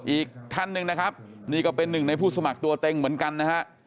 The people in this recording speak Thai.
อีกท่านหนึ่งนะครับนี่ก็เป็นหนึ่งในผู้สมัครตัวเต็งเหมือนกันนะฮะ